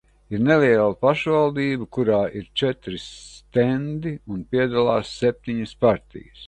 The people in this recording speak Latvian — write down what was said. Ir neliela pašvaldība, kurā ir četri stendi, un piedalās septiņas partijas.